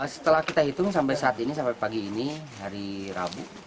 setelah kita hitung sampai saat ini sampai pagi ini hari rabu